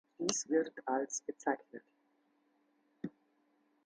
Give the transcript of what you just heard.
Dies wird als bezeichnet.